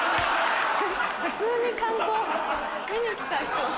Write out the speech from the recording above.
普通に観光見に来た人。